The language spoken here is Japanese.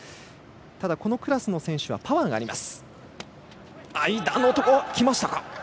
ただ、このクラスの選手はパワーがあります。